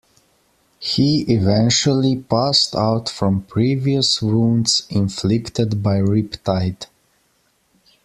He eventually passed out from previous wounds inflicted by Riptide.